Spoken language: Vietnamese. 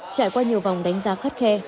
trải qua nhiều vòng đánh giá khắt khe